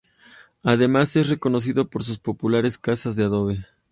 Además, es reconocido por sus populares casas de adobe.